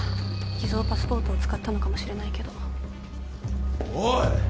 偽造パスポートを使ったのかもしれないけどおい